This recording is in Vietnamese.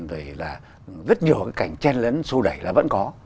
rồi là rất nhiều cái cảnh chen lấn sô đẩy là vẫn có